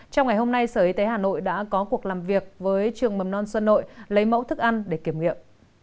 trong ngày hôm nay sở y tế hà nội đã có cuộc làm việc với trường mầm non xuân nội lấy mẫu thức ăn để kiểm nghiệm